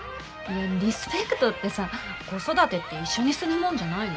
リスペクトってさ子育てって一緒にするもんじゃないの？